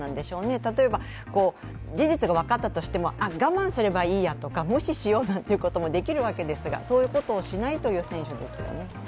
例えば、事実が分かったとしても、我慢すればいいやとか無視しようなんていうこともできるわけですがそういうことをしないという選手ですよね。